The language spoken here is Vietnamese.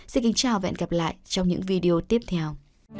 xin kính chào và hẹn gặp lại trong những video tiếp theo